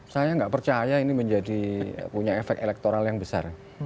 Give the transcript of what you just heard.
saya nggak percaya ini menjadi punya efek elektoral yang besar